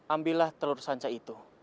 ambillah telur sanca itu